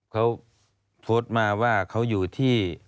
เค้าโทรศมาว่าเค้าอยู่ที่